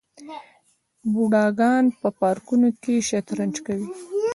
بوډاګان په پارکونو کې شطرنج کوي.